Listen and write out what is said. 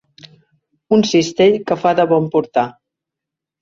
Un cistell que fa de bon portar.